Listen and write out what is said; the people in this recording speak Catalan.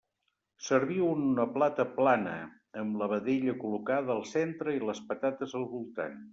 Serviu-ho en una plata plana, amb la vedella col·locada al centre i les patates al voltant.